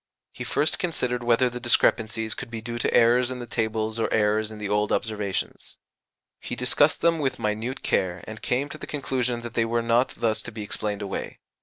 He first considered whether the discrepancies could be due to errors in the tables or errors in the old observations. He discussed them with minute care, and came to the conclusion that they were not thus to be explained away.